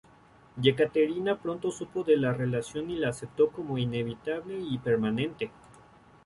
Yekaterina pronto supo de la relación y la aceptó como inevitable y permanente.